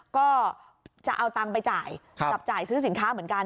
ก็จะเอาตังค์ไปจ่ายจับจ่ายซื้อสินค้าเหมือนกัน